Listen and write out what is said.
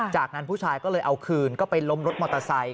จากนั้นผู้ชายก็เลยเอาคืนก็ไปล้มรถมอเตอร์ไซค